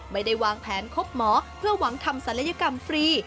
ไม่ได้วางแผนคบหมอเพื่อหวังทำศัลยกรรมฟรี